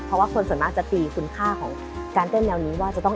เพราะว่าคนส่วนมากจะตีคุณค่าของการเต้นแนวนี้ว่าจะต้อง